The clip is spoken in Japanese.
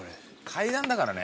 階段だからね。